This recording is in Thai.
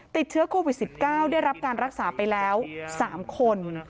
ติดเชื้อโควิด๑๙ได้รับการรักษาไปแล้ว๓คน